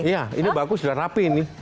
iya ini bagus sudah rapi ini